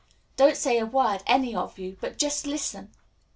Don't say a word, any of you, but just listen."